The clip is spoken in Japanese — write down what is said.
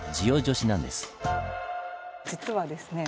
実はですね